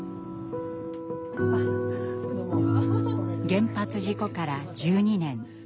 原発事故から１２年。